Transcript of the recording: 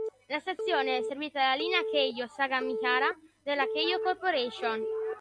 La stazione è servita dalla linea Keiō Sagamihara della Keiō Corporation.